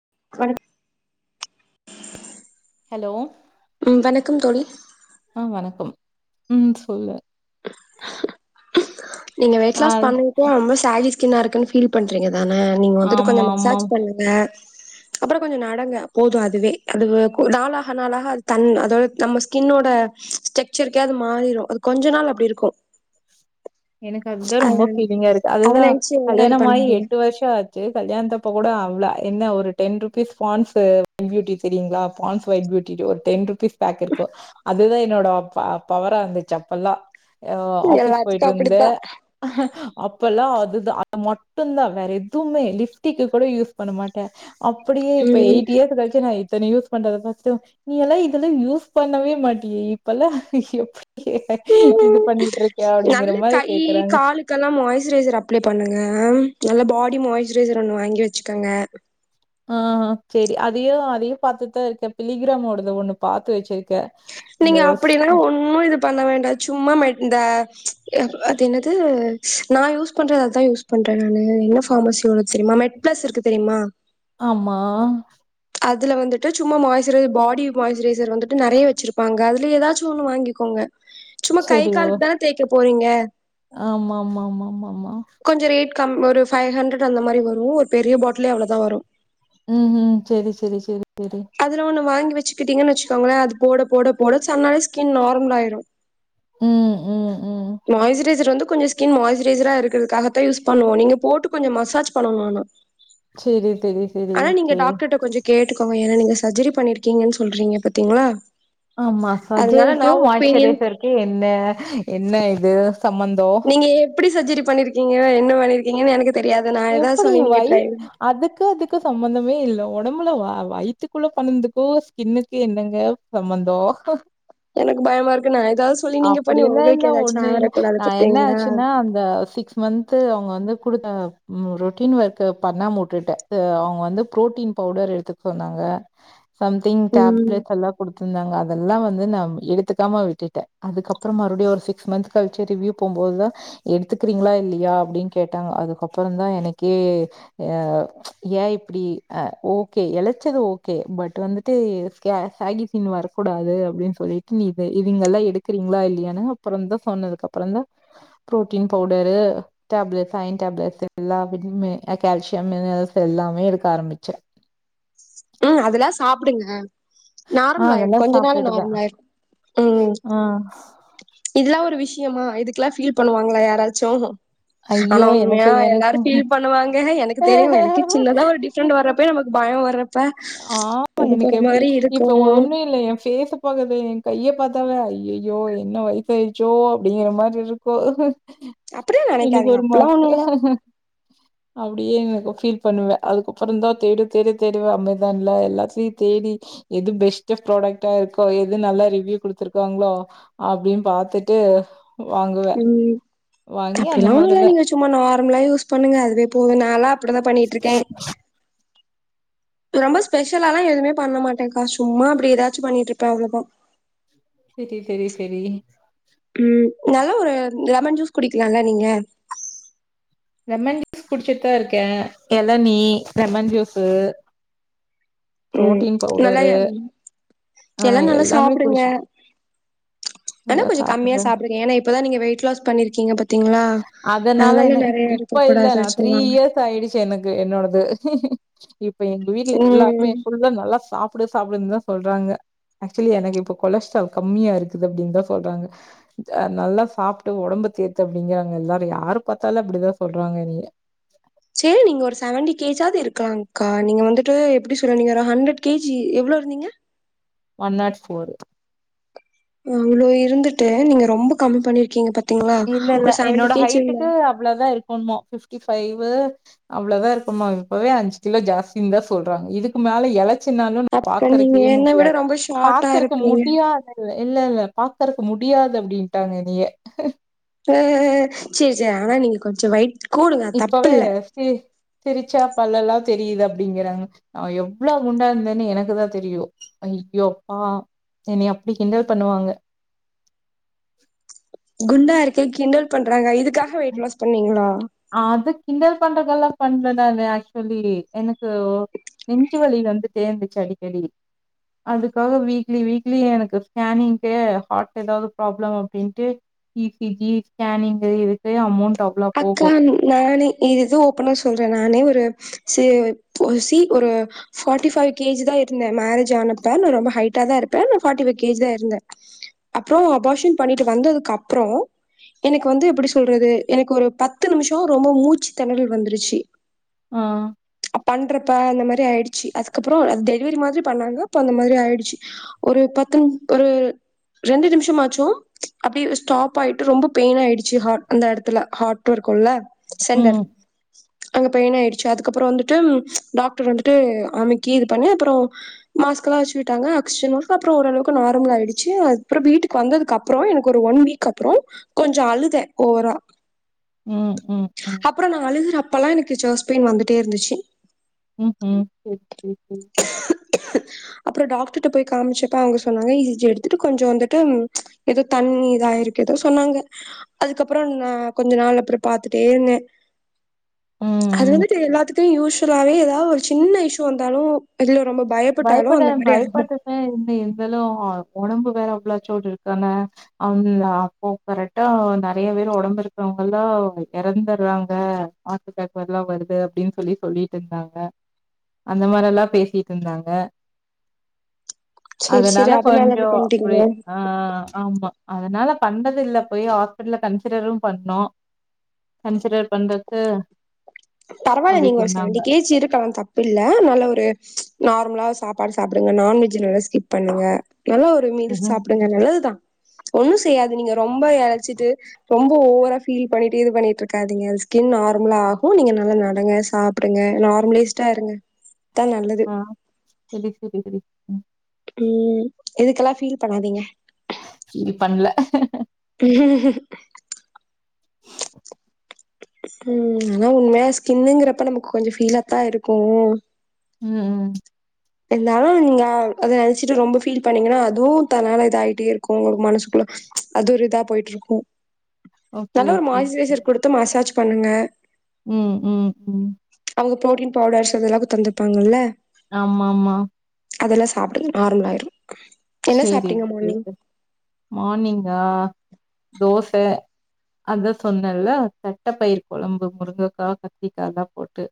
[unintelligible] Hello ம் வணக்கம் தோழி ஆ வணக்கம் ம் சொல்லு நீங்க வெயிட் ஆ லாஸ் பண்ணிட்டு ரொம்ப சாடிஸ்கின்னா இருக்குன் ஃபீல் பண் ஆனா நீங்க வந்துட்டு கொஞ்சொ ஆமா ஆமா மசாஜ் பண்ணுங்க அப்புறம் கொஞ்சம் நடங்க போதும் அதுவே அது நாளாக நாளாக அது தண்ண அதோட நம்ம ஸ்கின்னோட ஸ்ட்ரக்சர்க்கே அது மாறிரும் அது கொஞ்ச நாள் அப்படி இருக்கும் எனக்கு அதுதான் ரொம்ப ஃபீலிங்கா இருக்கு அதுதான் நெனச்சு நீங்க அது கல்யாணமாயி பண்ணாதீங்க எட்டு வருஷம் ஆச்சு கல்யாணத்தை ப்ப கூட அவ்ள என்ன ஒரு டென் ருபீஸ் பான்ஸ் பியூட்டி சரியங்களா பான்ஸ் ஒ் பியூட்டி ஒரு டென் ருபீஸ் பேக் இருக்கும் அதுதான் என்னோட பவரா அந்த அப்பல்லா ஆ் ஆஃபீஸ் போயிட்டு எல்லாத்துக்கு இருந்த அப்டித்தா இப்பல்லாம் அது மட்டும்தான் வேற எதுவுமே லிப்ஸ்டிக் கூட யூஸ் பண்ண மாட்டேன் அப்படியே இப்ப ம் எயிட் இயர்ஸ் கழிச்சு யூஸ் பண்றதம் நீயெல்லாம் இதெல்லாம் யூஸ் பண்ணவே மாட்டியே இப்பல்லாம் எப்படி இது பண்ணிட்டு இருக்கே அப்படி நல்ல கை காலுக்கெல்லாம் மாயஸ்சுரைசர் அப்ளை பண்ணுங்க நல்ல பாடி மாய்ஸச்சரை ஒண்ணு வாங்கி வச்சுக்கோங்க ஆஹ்ஹ் சரி அதையும் அதையும் பார்த்துதான் இருக்கேன் பிலிகிராமோடத ஒண்ணு பாத்து வச்சிருக்கேன் நீங்க அப்படினா ஒன்னும் இது பண்ண வேண்டாம் சும்மா ம இந்த அது என்னது நான் யூஸ் பண்றது அதுதான் யூஸ் பண்றேன் நானு என்ன பார்மஸிஸ்ட்வ தெரியுமா மெட் பிளஸ் இருக்கு தெரியுமா ஆமா அதில வந்துட்டு சும்மா மாய்சஸ்சுரைர் பாடி மாயஸ்சுரரைசர் வந்துட்டு நிறைய வச்சுருப்பாங்க அதுல ஏதாச்சும் ஒன்னு வாங்கிக்கோங்க சும்மா கை காலுக்கு தானே தேய்க் போறீங்க ஆமா ஆமா ஆமா ஆமா ஆமா கொஞ்சோ ரேட் கம் ஒரு பைவ்ஹண்ரட் அந்த மாதிரி வரும் ஒரு பெரிய பாட்லே அவ்வளோதான் வரும் ம் உம் சரி சரி சரி அதுல ஒண்ணு வாங்கி வச்சுக்கிட்டீங்கன்னு வச்சுங்கோங்களே அது போட போட போட சன்னாலே ஸ்கின் நார்மல் ஆயிரும் ம் ம் ம் மாயஸ்சுரைசர் வந்து கொஞ்சம் ஸ்கின் மாயஸ்சரைஸரா இருக்கிறதுக்காகதான் யூஸ் பண்ணுவோம் நீங்க போட்டு கொஞ்சம் மசாஜ் பண்ணனும்னுஆனா சரி சரி சரி ஓகே கேட்டுக்கோ ஏங்க சர்ஜரி பண்ணிருக்கீங்கன்னு சொல்றீங்க பாத்தீங்களா ஆமா அதனால நா சஜைக்கும் ஒப்பீனியன் மாய்ஸரைசர்க்கும் என்ன என்ன இது சம்பந்தோ நீங்க எப்படி சர்ஜரி பண்ணிருக்கீங்க என்ன வேலை எங்க எனக்கு தெரியாது நா ஏதாவது எப்படி சொல்லி நீங்க வாய் ட்ரை அதுக்கு அதுக்கு சம்பந்தமே இல்லை உடம்புல வயித்துக்குள்ள பண்ணதுக்கும் ஸ்கின்னுக்கு என்னங்க சம்பந்தம் எனக்கு பயமா இருக்கு நா ஏதாவது சொல்லி நீங்க பண்ணி அப்படியெல்லாம் உங்களுக்கு இருந்தா ஏதாச்சு ஒண்ணும் இல்லை ஆயிரக்கூடாது நான் என்ன பாத்தீங்களா ஆச்சுன்னா அந்த சிக்ஸ் மந்த்து அவங்க வந்து குடுத்தாங்க ரொட்டீன் ஒர்க்க பண்ணாம உட்டுட்டேன் அவங்க வந்து புரோட்டீன் பவுடர் எடுத்துக்க சொன்னாங்க சம்திங் ம் டேப்லெட் எல்லா குடுத்துருந்தாங்க அதெல்லாம் வந்து நான் எடுத்துக்காம விட்டுட்டேன் அதுக்கப்புறம் மறுபடியும் ஒரு சிக்ஸ் மந்த் கழிச்சு ரிவியூ போகும்போதுதான் எடுத்துக்கிறீங்களா இல்லையா அப்படின்னு கேட்டாங்க அதுக்கப் பறம தான் எனக்கே ஏன் இப்படி ஓகே இழச்சது ஓகே பட் வந்துட்டு சேகிஸ்கின் வரக்கூடாது அப்படின்னு சொல்லிட்டு இங்கல்லாம் எடுக்கறீங்களா இல்லையானனு அப்புறம் தான் சொன்னதுக்குப்புற தான் புரோட்டீன் பவுடரு அயன் டேப்லட் எல்லா [unintelligible] கால்சியம் மினரல்ஸ் எல்லாமே எடுக்க ஆரம்பிச்சேன் ஹம் அதெல்லாம் சாப்பிடுங்க ஆ நார்மல் ஆயிரும் அதெல்லா கொஞ்ச நாள் சாப்ட்டுட்டுதா நார்மல் ஆயிரும் உம் ஆ இதெல்லாம் ஒரு விஷயமா இதுக்கெல்லாம் ஃபீல் பண்ணுவாங்களா யாராச்சும் ஐயோ! ஆனா எனக்கு உண்மையா எல்லாரும் எனக்கும் ஃபீல் பண்ணுவாங்க எனக்கு தெரியும் எனக்கே சின்னதா ஒரு டிஃப்ரெண்ட் வர்றப்பய நமக்கு பயம் வர்ற ஆமா எனக்கு எப்படி இப்ப இருக்கு ஒண்ணும் இல்லை என் பேஷ்ச பாகுதே கையப்பாத்தாவே ஐயோ என்ன வயசு ஆயிச்சோ அப்படிங்கிற மாதிரி இருக்கு அப்படியா நினைக்காதீங்க அப்பல்லாம் ஒண்ணும் இல்ல அப்படியே எனக்கு ஃபீல் பண்ணுவேன் அதுக்கப்பறம் தான் தேடு தேடு தேவ அமே சான்ல எல்லாத்தையும் தேடி எது பெஸ்ட் பிராடக்ட்டா இருக்கோ எது நல்லா ரிவ்யூ குடுத்துருக்காங்களோ அப்படின்னு பாத்துட்டு வாங்குவேன். உம் வாங்கி அந்த அப்படிலாம் ஒண்ணும் மாரி இல்ல தான் நீங்க சும்மா நார்மலா யூஸ் பண்ணுங்க அதுவே போதும் நாலாம் அப்படிதான் பண்ணிட்டு இருக்கேன் ரொம்ப ஸ்பெஷலாலாம் எதுவுமே பண்ண மாட்டேகா சும்மா அப்படி ஏதாச்சும் பண்ணிட்டு இருப்பேன் அவ்ளோதான் சரி சரி சரி உம் நல்ல ஒரு லெமன் ஜூஸ் குடிக்கலாம்ல நீங்க லெமன் ஜூஸ் குடிச்சிட்டுதான் இருக்கேன் இளநி லெமன் ஜூஸ்ஸீ உம் நல்லா எ ஆ எல்லாம் நல்லா எல்லாமே சாப்படுங்க குடிச்சு ஆனா எல்லாம் கொஞ்ச கம்மியா சாப்பிடுறேன் சாப்படுங்க ஏன்னா இப்பதான் நீங்க வெயிட் லாஸ் பண்ணிருக்கீங்க பத் அதனால என்ன இ இப்ப இல்ல கூடாதுன்னு நான் த்ரீ சொல்லுவாங்க இயர்ஸ் ஆயிடுச்சு எனக்கு என்னோடது இப்ப எங்க வீட்டு்ல எல்லாருமே ம் ஃபுல்லா நல்லா சாப்படு சாப்படுனு தான் சொல்றாங்க ஆக்சுவலி எனக்கு இப்ப கொலஸ்ட்ரால் கம்மியா இருக்குது அப்டின்னுதான் சொல்றாங்க நல்லா சாப்ட்டு ஒடம்பு தேத்து அப்டிங்கிறாங்க எல்லாரும் யாரு பாத்தாலும் அப்படிதான் சொல்றாங்க எனைய சரி நீங்க ஒரு செவன்டி கேஜாவது இருக்கலாம்க்கா நீங்க வந்துட்டு எப்படி சொல்லு நீங்க ஒரு ஹண்ட்ரட் கேஜி எவ்ளோ இருந்தீங்க ஒன் நாட் ஃபோர் அவ்ளோ இருந்துட்டு நீங்க ரொம்ப கம்மி பண்ணி இல்ல இல்ல என்னோட இருந்தே ஹைட்டுக்கு அவ்ளோதான் இருக்கணும்மா பிப்ட்டி ஃபைவ் வு அவ்ளோதான் இருக்கனுமா இப்பவே அஞ்சு கிலோ ஜாஸ்தினு தான் சொல்றாங்க இதுக்கு மேல எலச் சின்னாலும் நா அப்ப நீங்க பாக்கறக்கே என்ன விட முடியாது ரொம்ப ஷார்ட்டா பாக்கறக்க இருப்பீங்க முடியாதல்ல இல்ல இல்ல பாக்கறக்க முடியாது அப்டின்ட்டாங்க எந்நீய அசரி சரி ஆனா நீங்க கொஞ்சம் வைட் கூடுங்க இப்பவே தப்பில்ல சி சிரிச்சா பல்லெல்லா தெரியுது அப்டிங்கிறாங்க நா எவ்ளோ குண்டா இருந்தேன்னு எனக்குதா தெரியு ஐயோ அப்பா என்னைய அப்டி கிண்டல் பண்ணுவாங்க குண்டா இருக்கே கிண்டல் பண்றாங்க இதுக்காக வெயிட் லாஸ் பண்ணீங்களா அது கிண்டல் பண்றதெல்லா பண்றதான ஆக்ஸ்வலி எனக்கு நெஞ்சுவலி வந்து ட்டே இருந்துச்சு அடிக்கடி அதுக்காக வீக்லி வீக்லி எனக்கு ஸ்கேனிங்கே ஹார்ட் எதாவது ப்ராப்ளம் அப்டின்ட்டு இ சி ஜி ஸ்கேனிங்கு இதுக்கே அமோண்ட் டபுள்லா போகு அக்கா நானே இது இது ஓப்பனா சொல்றே நானே ஒரு சே ஒரு சி ஒரு ஃபாட்டி ஃபைவ் கேஜிதா இருந்த மேரேஜ் ஆனப்ப நா ரொம்ப ஹைட்டாதா இருப்ப நா ஃபாட்டி ஃபைவ் கேஜிதா இருந்த அப்றோ அபாஷன் பண்ணிட்டு வந்ததுக்கு அப்பறோ எனக்கு வந்து எப்டி சொல்றது எனக்கு ஒரு பத்து நிமிஷோ ரொம்ப மூச்சு தெணறல் வந்துருச்சு ஆ. பண்றப்ப அந்த மாரி ஆயிடுச்சு அதுக்கப்பறோ அது டெலிவரி மாதிரி பண்ணாங்க அப்ப அந்த மாதிரி ஆயிடுச்சு ஒரு பத்து ஒரு ரெண்டு நிமிஷமாச்சு அப்டே ஸ்டாப் ஆயிட்டு ரொம்ப பெயின் ஆயிடுச்சு ஹாட் அந்த எடத் த்துல ஹார்ட்டு இருக்குல்ல சென்தர் ம். அங்க பெயின் ஆயிடுச்சு அதுக்கப்பறோ வந்துட்டு டாக்டர் வந்துட்டு அமிக்கி இது பண்ணி அப்பறோ மாஸ்க்கு எல்லா வச்சி விட்டாங்க அக்சிஜன்லா அப்பறோ ஓரளவுக்கு நார்மல் ஆயிடுச்சி அதுக்கப்பறோ வீட்டுக்கு வந்ததுக் அப்பறோ எனக்கு ஒரு ஒன் வீக் அப்பறோ கொஞ்சோ அழுத ஓவரா ம். ம். ம். அப்பறோ நா அழுது அப்பல்லா எனக்கு ஜெஸ் பெயின் வந்துட்டே இருந்துச்சி ம்ஹ்ம். சரி, சரி, சரி. அப்பறோ டாக்டர்ட்ட போய் காம்ச்சப்ப அவுங்க சொன்னாங்க இ சி ஜி எடுத்துட்டு கொஞ்சோ வந்துட்டு எதோ தண்ணீ இதாயிருக்கு எதோ சொன்னாங்க அதுக்கப்பறோ நா கொஞ்ச நாள் அப்பறோ பாத்துட்டே இருந்தே ம். அது ம். வந்துட்டு எல்லாத்துக்கு யூஸ்வலாவே எ எதா ஒரு சின்ன இஸ்ஸு வந்தாலு வெளில ரொம்ப பயப்பட்டாலு பயப்பட அந்த மாரி ஆகு பயப்பட்டுடா எப்டி இருந்தாலு ஒடம்பு அவ்ளா சோடு இருக்கான [inaudible] அப்போ கரெட்டா நெறைய பேரு ஒடம்பு இருக்கறவங்கெல்லா எறந்தர்றாங்க ஹாட் அட்டேக் எல்லா வருது அப்டின் சொல்லி சொல்லீட்ருந்தாங்க அந்த மாரியெல்லா பேசீட் ருந்தாங்க சேரி அதனால சேரி கொஞ்சோ அப்டி பண்றீங்களோ ஆ ஆமா அதனால பண்ணதுல்ல போய் ஹாஸ்பிட்டல்ல கன்சிடரு பண்ணோ கன்சிடர் பண்றது பரவால்ல நீங்க ஒரு செவன்டி கே ஜி இருக்கலா தப்பு இல்ல நல்ல ஒரு நார் மலா சாப்பாடு சாப்புடுங்க நான்வெஜ் நல்லா கிப் பண்ணுங்க நல்லா ஒரு மீல்ஸ் ம்ஹ்ம். சாப்புடுங்க நல்லதுதா ஒன்னு செய்யாது நீங்க ரொம்ப எளைச்சிட்டு ரொம்ப ஓவரா ஃபீல் பண்ணிட்டு இது பண்ணிட்டு இருக்காதீங்க இது ஸ்கின் நார்ம்லா ஓ நீங்க நல்லா நடங்க சாப்புடுங்க நார்மலேஸ்ட்டாருங்க ஆ சரி சரி சரி ம் உம் இதுக்கெல்லா ஃபீல் பண்ணாதீங்க ஃபீல் பண்ல உம் ஆனா உண்மையா ஸ்கின்னுங்கிறப்ப நமக்கு கொஞ்சோ ஃபீலாத்தா இருக்கும் ம் ம் இருந்தாலு நீங்க அத நெனைச்சிட்டு ரொம்ப ஃபீல் பண்ணீங்கன்னா அதுவு தன்னால இதா ஆயிட்டே இருக்கோ உங்களுக்கு மனசுக்குள்ள அது ஒரு இதா போயிட்டு இருக்கோ ஓகே, நல்ல ஒரு ஓகே, மாய்சுரைசர் குடுத்து மசாஜ் பண்ணுங்க உம் உம் உம் அவங்க புரோட்டீன் பவுடர்ஸ் அதெல்லாக்கோ தந்துருப்பாங்கல்ல ஆமா ஆமா அதெல்லா சாப்புடுங்க நார்மல் ஆயிரு செரி ஓகே ஓகே மார்னிங்கா தோச அதா சொன்னல்ல தட்டப்பயிர் கொழம்பு முருங்கைக்கா கத்திரிக்காலா போட்டு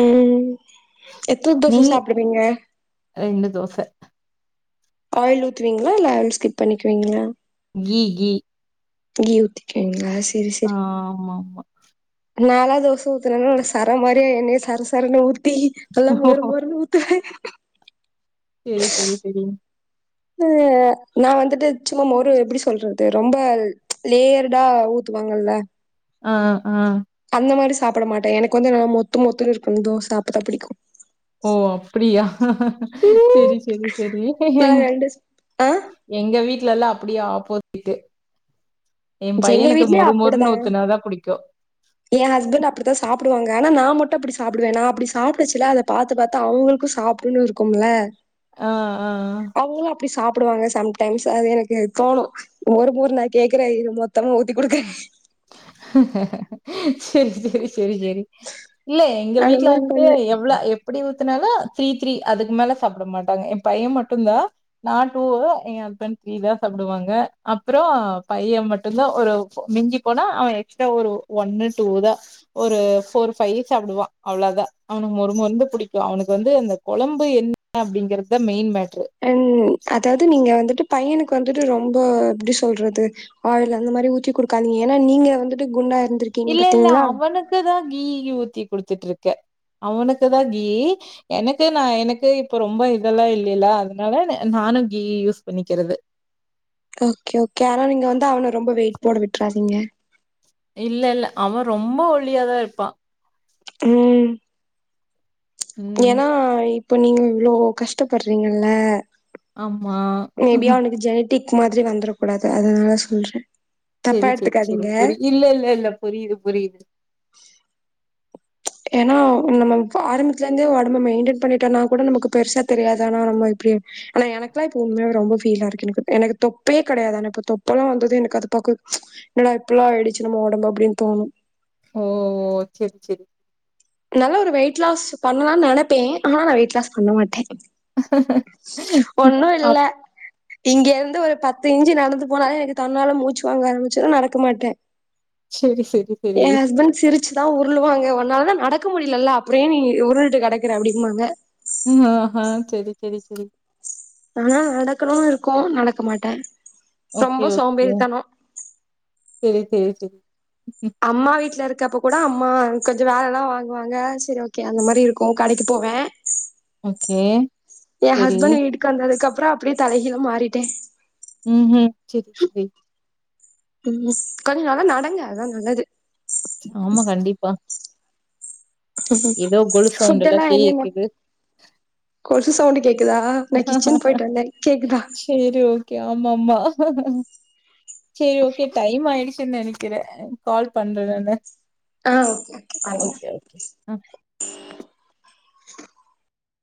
உம் எத்தன தோச சாப்பிடுவீங்க ரெண்டு தோச ஆயில் ஊத்துவீங்களா இல்ல அது ஸ்கிப் பண்ணிக்குவீங்களா கீ கீ கீ ஊத்திக்கிவீங்களா ஆஹ் ஆமா ஆமா நாலா தோச ஊத்துறேனு சரம் மாரி அப்டே எண்ணைய சர சரனு ஊத் தி நல்லா மொறு ஓ! மொறுனு ஊத்துவே சரி, சரி, சரி. ஆ வந்து நா வந்துட்டு சும்மா மொறு எப்படி சொல்றது ரொம்ப லேயர்டா ஊத்துவாங்கல்ல ஆஹ் ஆஹ் அந்த மாரி சாப்பிட மாட்டே எனக்கு வந்து நல்லா மொத்து மொத்துன்னு இருக்கனு தோச அப்பதா பிடிக்கோ ஓ அப்டியா செரி செரி செரி நல்லா ரெண்டு ஆ எங்க வீட்லல்லாம் அப்டியா போத்திட்டு எங்க வீட்லயூ அப்டிதா தான் புடிக்கும். என் ஹஸ்பண்ட் அப்டிதா சாப் சாப்டுவாங்க ஆனா நா மட்டு அப்டி சாப்டுவே நா அப்டி சாப்டுச்சல அத பாத்து பாத்து அவுங்களுக்கும் சாப்டுனும்ன்னு இருக்கும்ல ஆஹ் ஆஹ் சாப்டுவாங்க சம்டைம்ஸ் அது எனக்கு தோணு மொறு மொறு நா கேக்குற மொத்தமா ஊத்திக் குடுக்குற செரி செரி செரி செரி இல்ல எங்க அந்த வீட்ல மாரி வந்து பண்ணுவேன். எவ்ளோ எப்டி ஊத்துனாலு த்ரீ த்ரீ அதுக்கு மேல சாப்ட மாட்டாங்க என் பையன் மட்டும் தா நா டூ என் ஹஸ்பண்ட் த்ரீ தா சாப்டுவாங்க அப்புறோ பையன் மட்டும் தா ஒரு மிஞ்சி போனா அவே எக்ஸ்ட்ரா ஒரு ஒன்னு டூ தா ஒரு ஃபோர் ஃபைவ்வு சாப்டுவா அவ்ளோ தா அவனுக்கு மொறு மொறுனு புடிக்கோ அவுனுக்கு வந்து அந்த கொழம்பு என்ன அப்டிங்கிறதுதா மெயின் மேட் அன் அதாது நீங்க வந்துட்டு பையனுக்கு வந்துட்டு ரொம்ப எப்டி சொல்றது ஆயில் அந்த மாரி ஊத்தி குடுக்காதீங்க ஏன்னா நீங்க வந்துட்டு குண்டா இருந்திருக்கீங்க இல்ல இல்ல பாத்தீங்களா? அவனுக்கு தா கீயி ஊத்தி குடுத்துட்டு இருக்கே அவனுக்குதா கீ எனக்கு நா எனக்கு இப்ப ரொம்ப இதெல்லா இல்லல அதுனால நானும் கீ யூஸ் பண்ணிக்கிறது ஓகே ஓகே ஆனா நீங்க வந்து அவன ரொம்ப வெயிட் போட விட்றாதீங்க. இல்ல இல்ல அவன் ரொம்போ ஒள்ளியாதா இருப்பான் உம் ம் ஏன்னா இப்ப நீங்க இவ்ளோ கஷ்டபற்றீங்கல்ல ஆமா ஹா ஜெனிடிக் மாதிரி வந்துட கூடாது அதுனால சொல்றேன் செரி செரி செரி புரிது இல்ல இல்ல இல்ல புரியுது புரியுது ஏன்னா நம்ம ஆரம்பத்துலேருந்தே உடம்ப மெயின்டெய்ன் பண்ணிட்டோனா கூட நமக்கு பெருசா தெரியாது ஆனா நம்ம இப்டி ஆனா எனக்குலாம் இப்போ உண்மையாவே ரொம்ப ஃபீலா இருக்கு எனக்கு எனக்கு தொப்பயே கிடயாது ஆனா இப்ப தொப்பலலாம் வந்ததூ எனக்கு அது பாக்கவூம் என்னடா இப்பிடிலாம் ஆயிடுச்சு நம்ம ஒடம்பு அப்டின்னு தோணும் ஓ செரி செரி நல்லா ஒரு வெயிட் லாஸ் பண்ணலாம்னு நெனப்பேன் ஆனா நான் வெயிட் லாஸ் பண்ண மாட்டேன் அ இங்க இருந்து ஒரு பத்து இஞ்சி நடந்து போனாலே எனக்கு தன்னால மூச்சு வாங்க ஆரம்பிச்சிடூம் நடக்க மாட்டேன் செரி செரி செரி ச்சி தான் உருளுவாங்க உன்னால நடக் நடக்க முடிலல்ல அப்புறோம் ஏன் நீ உருண்டுட்டு கிடக்கற அப்டிங்குவாங்க ஆஹ் ஆஹ் செரி செரி செரி ஆனா நடக்கணும்னு இருக்கூம் நடக்க மாட்டன் ஓக்கே ஓக்கே செரி செரி [unintelligible] அம்மா வீட்ல இருக் இந்தா இப்ப கூட அம்மா கொஞ்சம் வேலைலா வாங்குவாங்க சரி ஓகே அந்த மாரி இருக்கோ கடைக்கு போவே கே என் ஹஸ்பண்ட் வீட்டுக்கு வந்ததுக்கு அப் அப்புறம் அப்படியே தலைகில மாறிட்டேன் ம் ம் செரி செரி ம் கொஞ்ச நல்லா நடங்க அதா நல்லது ஆமா கண்டிப்பா ஏதோ கொலூசு ஃபுட் சவுண்டெலா கேக்குது கொலூசு சவுண்டு கேக் சேரி ஓகே ஆமா ஆமா சேரி ஓகே டைம் ஆயிடுச்சுன்னு நெனைக்குறே கால் பண்ற நானு ஆ ஓகே ஓகே [unintelligible]